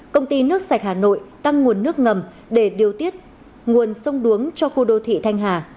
công ty nước sạch hà nội tăng nguồn nước ngầm để điều tiết nguồn sông đuống cho khu đô thị thanh hà